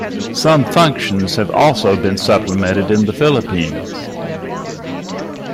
Some functions have also been supplemented in The Philippines.